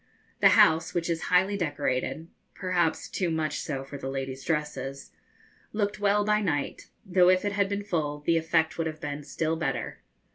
The house, which is highly decorated perhaps too much so for the ladies' dresses looked well by night, though if it had been full the effect would have been still better.